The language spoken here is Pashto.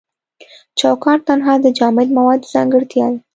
چوکات تنها د جامد موادو ځانګړتیا ده.